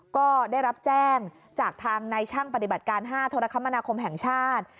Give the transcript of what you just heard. ก็ได้รับแจ้งจากทางในช่างปฏิบัติการ๕โทรคมนาคมแห่งชาติ